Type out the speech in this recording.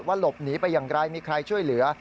หลบหนีไปอย่างไรมีใครช่วยเหลือ